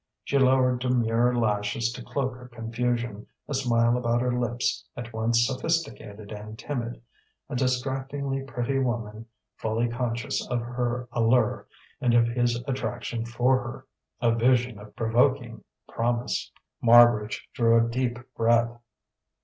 She lowered demure lashes to cloak her confusion, a smile about her lips at once sophisticated and timid: a distractingly pretty woman fully conscious of her allure and of his attraction for her: a vision of provoking promise. Marbridge drew a deep breath.